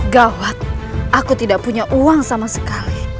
gawat aku tidak punya uang sama sekali